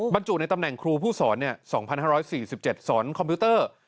บรรจุในตำแหน่งครูผู้สอน๒๕๔๗สอนคอมพิวเตอร์